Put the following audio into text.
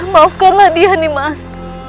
maafkanlah dia nih mas